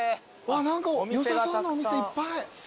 何かよさそうなお店いっぱい。